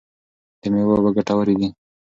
د مېوو اوبه ګټورې دي.